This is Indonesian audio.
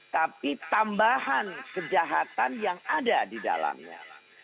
tapi tambahan kejahatan yang ada di dalamnya